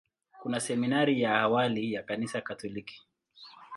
Kuna seminari ya awali ya Kanisa Katoliki.